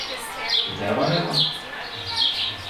— Де варила?